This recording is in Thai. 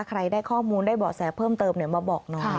ใครได้ข้อมูลได้เบาะแสเพิ่มเติมมาบอกหน่อย